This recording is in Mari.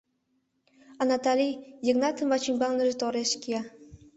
А Натали Йыгнатын вачӱмбалныже тореш кия.